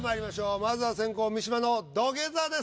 まずは先攻三島の土下座です。